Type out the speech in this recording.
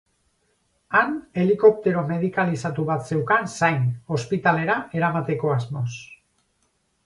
Han helikoptero medikalizatu bat zeukan zain ospitalera eramateko asmoz.